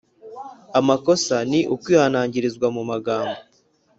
amakosa ni ukwihanangirizwa mu magambo